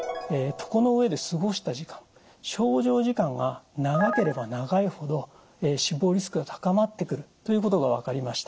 床の上で過ごした時間床上時間が長ければ長いほど死亡リスクが高まってくるということが分かりました。